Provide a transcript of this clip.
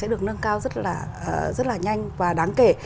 được nâng cao rất là nhanh và đáng kể